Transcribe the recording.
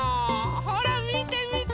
ほらみてみて。